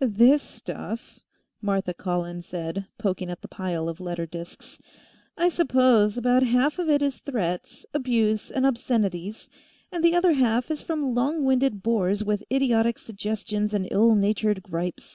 "This stuff," Martha Collins said, poking at the pile of letter disks. "I suppose about half of it is threats, abuse and obscenities, and the other half is from long winded bores with idiotic suggestions and ill natured gripes.